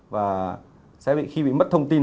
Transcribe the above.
và khi bị mất thông tin